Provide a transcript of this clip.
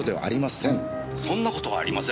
「そんな事はありません」